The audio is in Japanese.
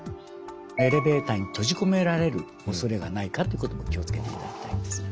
エレベーターに閉じ込められるおそれがないかってことも気を付けていただきたいんです。